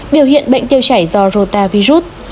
biểu hiện bệnh tiêu chảy do rotavirus